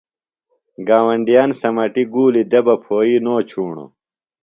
گاونڈیِان سمٹیۡ گُولیۡ دےۡ بہ پھوئی نو چُھوݨوۡ۔